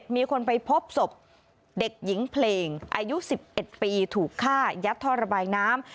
มีคนไปพบศพเด็กหญิงเพลงอายุ๑๑ปีถูกฆ่ายัดท่อระบายน้ำ